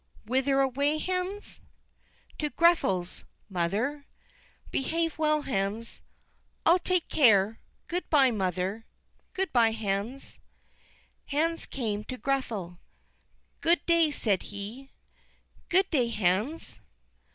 "Whither away, Hans?" "To Grethel's, mother." "Behave well, Hans." "I'll take care; good by, mother." "Good by, Hans." Hans came to Grethel. "Good day," said he. "Good day, Hans.